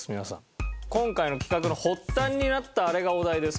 今回の企画の発端になったあれがお題です。